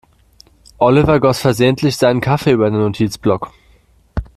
Oliver goss versehentlich seinen Kaffee über den Notizblock.